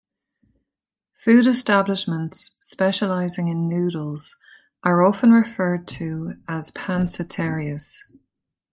Food establishments specializing in noodles are often referred to as "panciterias".